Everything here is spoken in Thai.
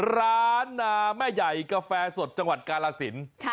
ร้านนาแม่ใหญ่กาแฟสดจังหวัดกาลสิน